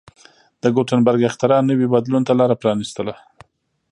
د ګوتنبرګ اختراع نوي بدلون ته لار پرانېسته.